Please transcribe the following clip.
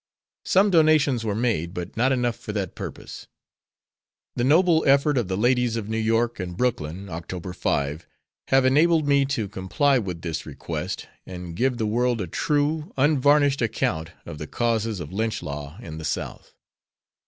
Some donations were made, but not enough for that purpose. The noble effort of the ladies of New York and Brooklyn Oct. 5 have enabled me to comply with this request and give the world a true, unvarnished account of the causes of lynch law in the South.